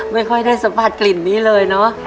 ไม่ค่อยได้สัมผัสกลิ่นนี้เลยเนอะ